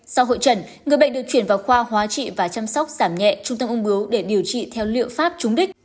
sau hội trần người bệnh được chuyển vào khoa hóa trị và chăm sóc giảm nhẹ trung tâm ung bưu để điều trị theo liệu pháp chúng đích